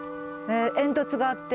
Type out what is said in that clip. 煙突があって。